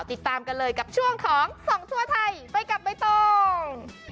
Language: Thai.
ติดตามกันเลยกับช่วงของส่องทั่วไทยไปกับใบตอง